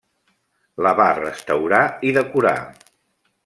La va restaurar i decorar.